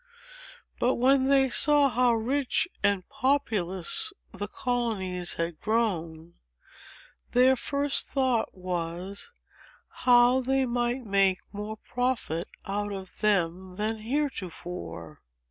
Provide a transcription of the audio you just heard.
But, when they saw how rich and populous the colonies had grown, their first thought was, how they might make more profit out of them than heretofore.